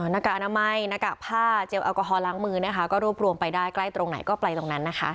อ่อนักกาอาณาไม้นักกะผ้าเจลแอลกอ฀อล้างมือนะฮะก็รวบรวมไปได้ใกล้ตรงไหนก็ไปตรงนั้นนะคะ